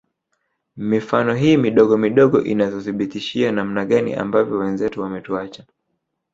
Mifano hii midogo midogo inatuthibitishia namna gani ambavyo wenzetu wametuacha